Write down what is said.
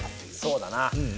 そうだな。